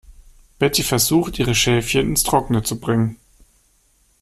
Betty versucht, ihre Schäfchen ins Trockene zu bringen.